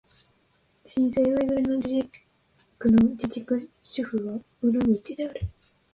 新疆ウイグル自治区の自治区首府はウルムチである